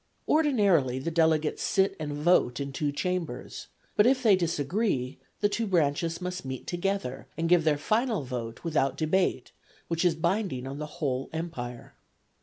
Ordinarily the delegates sit and vote in two Chambers, but if they disagree the two branches must meet together and give their final vote without debate, which is binding on the whole empire.